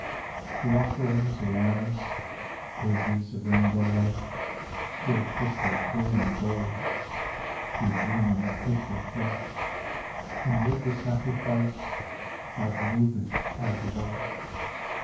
The offerings arise : Hazes of rainbow light, Pure crystal, blue, and gold, Through dreamland take their flight ; And 'mid the sacrifice God moveth as of old.